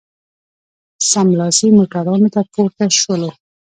سملاسي موټرانو ته پورته شولو.